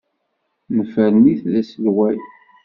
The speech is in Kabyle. Nefren-it d aselway.